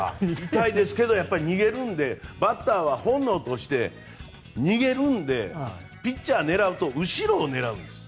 痛いですけど逃げるのでバッターは本能として逃げるのでピッチャー狙うと後ろを狙うんです。